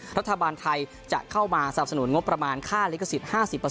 รัฐบาลไทยจะเข้ามาสนับสนุนงบประมาณค่าลิขสิทธิ์๕๐